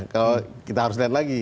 kalau kita harus lihat lagi